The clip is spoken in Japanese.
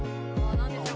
何でしょう